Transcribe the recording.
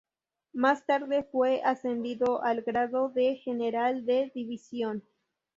Más tarde fue ascendido al grado de general de división.